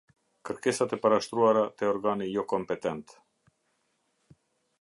Kërkesat e parashtruara te organi jokompetent.